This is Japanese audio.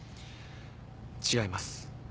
違います。